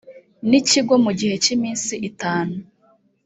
n ikigo mu gihe cy iminsi itanu.